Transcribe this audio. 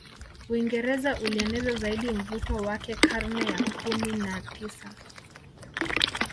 Uingereza ulieneza zaidi mvuto wake karne ya Kumi na tisa